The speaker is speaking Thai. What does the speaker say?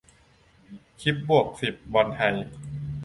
คลิป - บวกสิบ บอลไทย